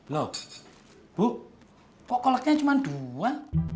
loh bu kok kolaknya cuma dua